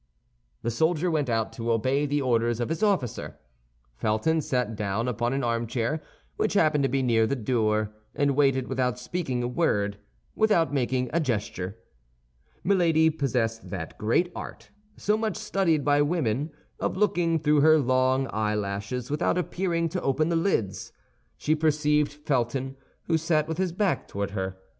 The soldier went out to obey the orders of his officer. Felton sat down upon an armchair which happened to be near the door, and waited without speaking a word, without making a gesture. Milady possessed that great art, so much studied by women, of looking through her long eyelashes without appearing to open the lids. She perceived Felton, who sat with his back toward her.